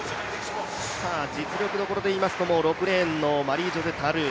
実力どころでいいますと、６レーンのマリージョゼ・タルー。